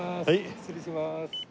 失礼します。